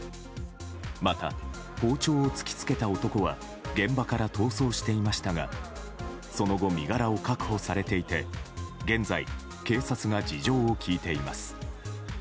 また、包丁を突きつけた男は現場から逃走していましたがその後、身柄を確保されていて現在、警察が事情を聴いています。